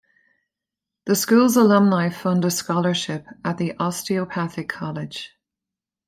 The school's alumni fund a scholarship at the osteopathic college.